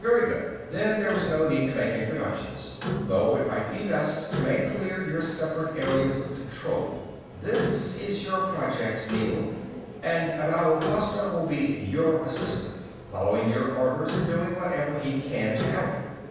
Very good then there is no need to make introductions. Though it might be best to make clear your separate areas of control. This is your project Neel, and Adao Costa will be your assistant, following your orders and doing whatever he can to help.